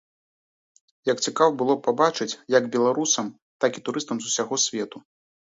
Яе цікава было б пабачыць як беларусам, так і турыстам з усяго свету.